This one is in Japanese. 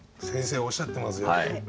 先生おっしゃってますよ。